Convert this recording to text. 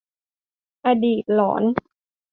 อดีตหลอน